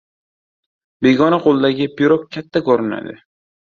• Begona qo‘ldagi pirog katta ko‘rinadi